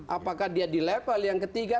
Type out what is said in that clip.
apakah dia di level yang ketiga